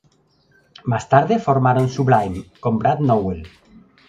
Más tarde formaron Sublime con Brad Nowell.